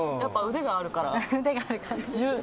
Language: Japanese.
腕があるから。